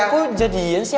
kok jadian sih